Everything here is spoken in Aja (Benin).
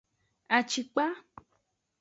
Acikpa.